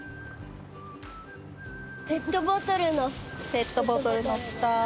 ペットボトルのフタ。